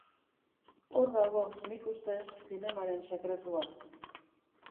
Hor dago, nik uste, zinemaren sekretua.